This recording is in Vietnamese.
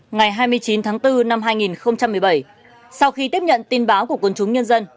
ngày hai mươi chín tháng bốn năm hai nghìn một mươi bảy sau khi tiếp nhận tin báo của quân chúng nhân dân